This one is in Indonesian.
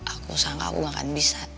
aku sangka aku akan bisa